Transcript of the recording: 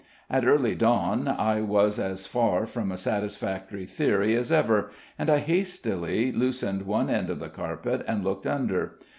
At early dawn I was as far from a satisfactory theory as ever, and I hastily loosened one end of the carpet and looked under.